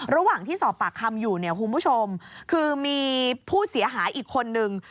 ระหว่างที่สอบปากคำอยู่เนี่ยคุณผู้ชมคือมีผู้เสียหายอีกคนนึง